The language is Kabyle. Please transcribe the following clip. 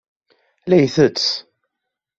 La itett.